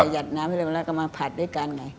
ยัดน้ำให้เร็วแล้วก็มาผัดด้วยกันไง